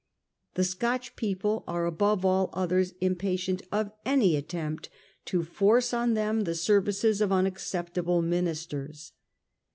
The Scotch people are above all others impatient of any attempt to force on them the services of unacceptable minis ters.